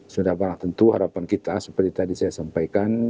sudah barang tentu harapan kita seperti tadi saya sampaikan